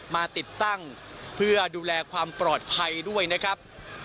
มาติดตั้งเพื่อดูแลความปลอดภัยด้วยนะครับ